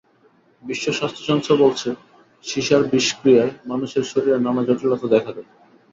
বিশ্ব স্বাস্থ্য সংস্থা বলছে, সিসার বিষক্রিয়ায় মানুষের শরীরে নানা জটিলতা দেখা দেয়।